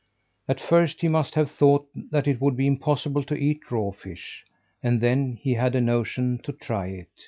At first he must have thought that it would be impossible to eat raw fish, and then he had a notion to try it.